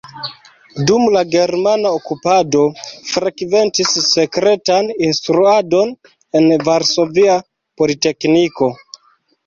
Dum la germana okupado frekventis sekretan instruadon en Varsovia Politekniko.